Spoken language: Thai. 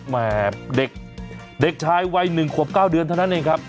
แม่เด็กชายวัย๑ขวบ๙เดือนเท่านั้นเองครับ